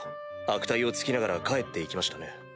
悪態をつきながら帰って行きましたね。